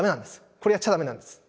これやっちゃダメなんです。